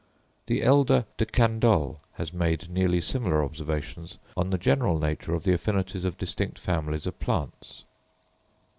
The elder De Candolle has made nearly similar observations on the general nature of the affinities of distinct families of plants.